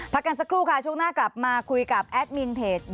กันสักครู่ค่ะช่วงหน้ากลับมาคุยกับแอดมินเพจ